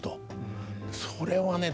「それはね